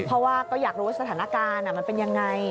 เพราะว่าก็อยากรู้ว่าสถานการณ์มันเป็นยังไง